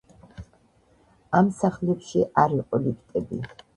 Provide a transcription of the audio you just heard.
ამ სახლებში არ იყო ლიფტები.